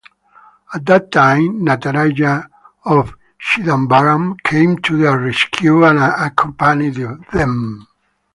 At that time Nataraja of Chidambaram came to their rescue and accompany them.